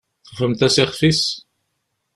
Tufamt-as ixf-is?